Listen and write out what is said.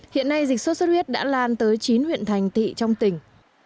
hiện nay dịch suốt suốt huyết đã lan tới chín huyện thành thị trong tỉnh